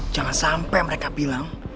jangan sampe mereka bilang